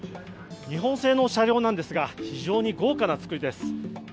日本製の車両なんですが非常に豪華な造りです。